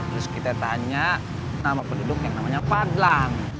terus kita tanya nama penduduk yang namanya padlang